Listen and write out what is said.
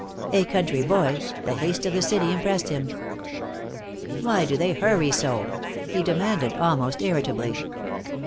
A country boy, the haste of the city impressed him. "Why do they hurry so?" he demanded, almost irritably.